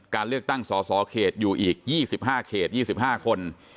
การเลือกตั้งสอสอเขตอยู่อีกยี่สิบห้าเขตยี่สิบห้าคน